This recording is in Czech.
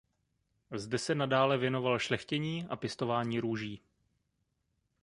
Zde se nadále věnoval šlechtění a pěstování růží.